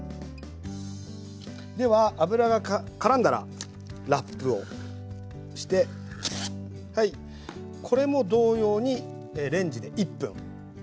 では油がからんだらラップをしてはいこれも同様にレンジで１分。